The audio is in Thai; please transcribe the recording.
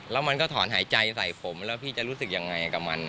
แล้วมันก็ถอนหายใจใส่ผมแล้วพี่จะรู้สึกยังไงกับมัน